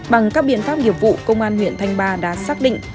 bằng các biện pháp nghiệp vụ công an huyện thanh ba đã xác định